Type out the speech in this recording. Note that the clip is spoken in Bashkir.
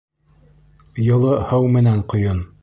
Йылы һыу менән ҡойон!